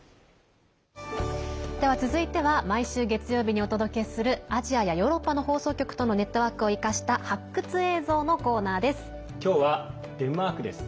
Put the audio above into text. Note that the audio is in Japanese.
では続いては毎週月曜日にお届けするアジアやヨーロッパの放送局とのネットワークを生かした今日はデンマークです。